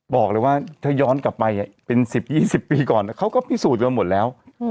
บอกเลยว่าถ้าย้อนกลับไปเป็น๑๐๒๐ปีก่อนเขาก็พิสูจน์กันหมดแล้ว